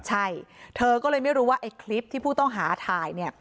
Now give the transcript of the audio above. ใช่เธอก็เลยไม่รู้ว่าไอ้คลิปที่ผู้ต้องหาถ่ายเนี่ย